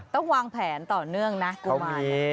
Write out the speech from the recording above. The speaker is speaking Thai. ต้องวางแผนต่อเนื่องนะกุมาร